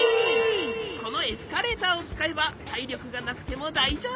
このエスカレーターをつかえばたいりょくがなくてもだいじょうぶ！